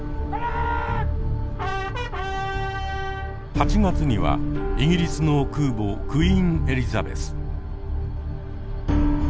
８月にはイギリスの空母クイーン・エリザベス。